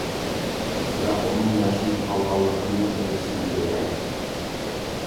بىراق، ئۇنىڭ ياشىنىپ قالغانلىقىنى بىلىشىڭ كېرەك.